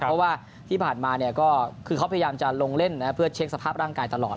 เพราะว่าที่ผ่านมาก็คือเขาพยายามจะลงเล่นเพื่อเช็คสภาพร่างกายตลอด